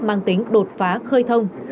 mang tính đột phá khơi thông